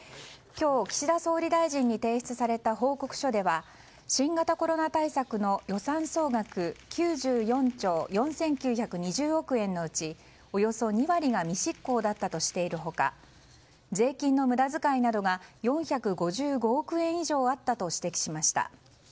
今日、岸田総理に提出された報告書では新型コロナ対策の予算総額９４兆４９２０億円のうちおよそ２割が未執行だったとしている他税金の無駄遣いなどが４４５億円以上あったと指摘しました。